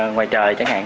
ngoài trời chẳng hạn